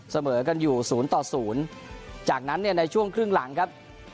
เสมอกันอยู่๐ต่อ๐จากนั้นเนี่ยในช่วงครึ่งหลังครับ